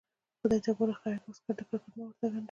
خدای ته ګوره خياطه واسکټ د کرکټ مه ورته ګنډه.